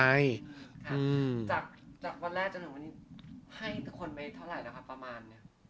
จากวันแรกจนถึงวันนี้ให้ทุกคนไปเท่าไหร่หรือครับประมาณ